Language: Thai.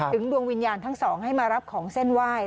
ดวงวิญญาณทั้งสองให้มารับของเส้นไหว้